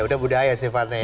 udah budaya sifatnya ya